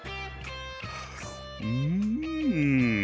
うん。